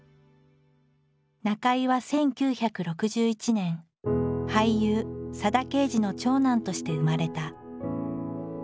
中井は１９６１年俳優佐田啓二の長男として生まれた。